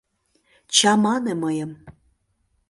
Чамане мыйым...